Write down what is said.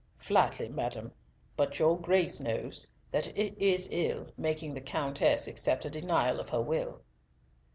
"Flatly, madam, but your Grace knows that it is ill making the Countess accept a denial of her will."